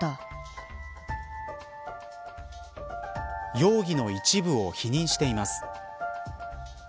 容疑の一部を否認しています。